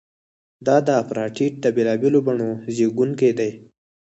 دا د اپارټایډ د بېلابېلو بڼو زیږوونکی دی.